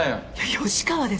吉川です。